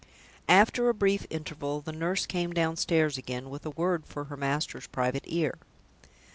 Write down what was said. After a brief interval, the nurse came downstairs again, with a word for her master's private ear.